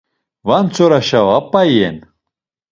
Va ntzoraşa va p̌a iyen.